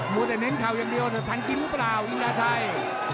วัวแต่เน้นเข่าอย่างเดียวแต่ทันกินหรือเปล่าอินดาชัย